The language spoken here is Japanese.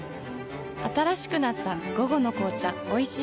新しくなった「午後の紅茶おいしい無糖」